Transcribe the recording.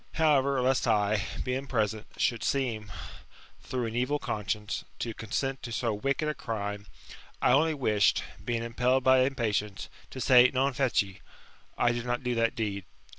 However, lest I, being present, should seem, through an evil conscience, to consent to so wicked a crime, I only wished, being impelled by impatience, to say, Ncnjed^ I did not do that deed.